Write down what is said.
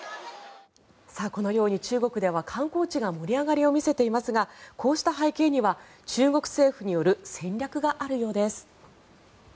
このように中国では観光地が盛り上がりを見せていますがこうした背景には中国政府による戦略があるようです。